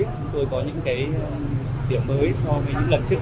chúng tôi có những cái điểm mới so với những lần trước đây